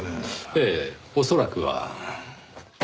ええ恐らくは。